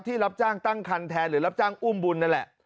รับจ้างตั้งคันแทนหรือรับจ้างอุ้มบุญนั่นแหละ